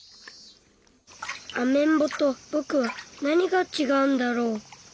アメンボとぼくはなにが違うんだろう。